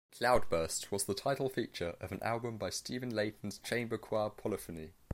"Cloudburst" was the title feature of an album by Stephen Layton's chamber choir Polyphony.